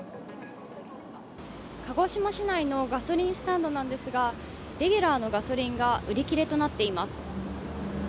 鹿児島市内のガソリンスタンドなんですがレギュラーのガソリンが売り切れとなっています。